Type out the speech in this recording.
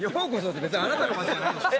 別にあなたの街じゃない。